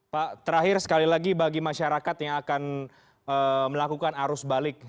pak terakhir sekali lagi bagi masyarakat yang akan melakukan arus balik